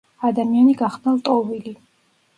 ადამიანი გახდა ლტოლვილი.